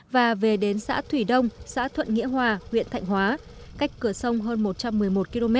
và về đến xã thủy đông xã thuận nghĩa hòa huyện thạnh hóa cách cửa sông hơn một trăm một mươi một km